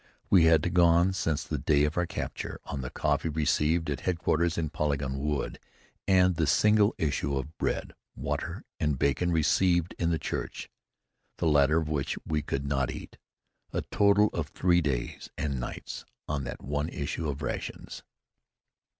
We had gone since the day of our capture on the coffee received at headquarters in Polygon Wood and the single issue of bread, water and bacon received in the church, the latter of which we could not eat; a total of three days and nights on that one issue of rations.